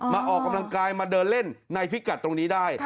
ออกกำลังกายมาเดินเล่นในพิกัดตรงนี้ได้